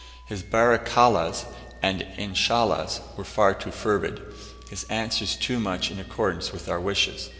His "Barikallahs" and "Inshallahs" were far too fervid; his answers too much in accordance with our wishes.